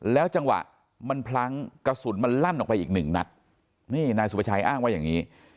จังหวะมันพลั้งกระสุนมันลั่นออกไปอีกหนึ่งนัดนี่นายสุภาชัยอ้างว่าอย่างนี้